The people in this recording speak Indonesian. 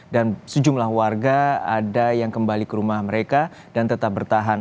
dan sejumlah warga ada yang kembali ke rumah mereka dan tetap bertahan